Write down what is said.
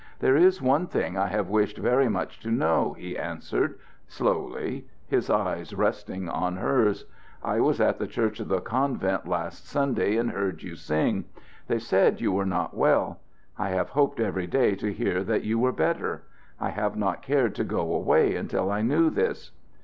"There is one thing I have wished very much to know," he answered, slowly, his eyes resting on hers. "I was at the church of the convent last Sunday and heard you sing. They said you were not well. I have hoped every day to hear that you were better. I have not cared to go away until I knew this."